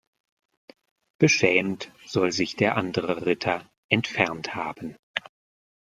Beschämt soll sich der andere Ritter entfernt haben.